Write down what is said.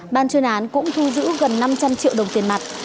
ban chuyên án cũng thu giữ gần năm trăm linh triệu đồng tiền mặt